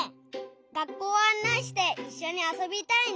学校をあんないしていっしょにあそびたいね！